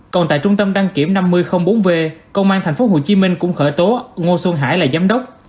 còn tại trung tâm đăng kiểm năm mươi bốn v công an tp hcm cũng khởi tố ngô xuân hải là giám đốc